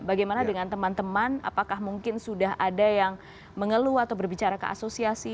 bagaimana dengan teman teman apakah mungkin sudah ada yang mengeluh atau berbicara ke asosiasi